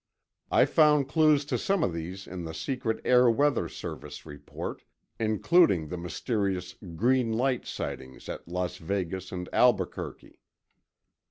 I found clues to some of these in the secret Air Weather Service report, including the mysterious "green light" sightings at Las Vegas and Albuquerque.